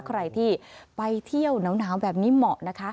ใครที่ไปเที่ยวหนาวแบบนี้เหมาะนะคะ